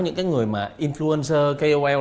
những người influencer kol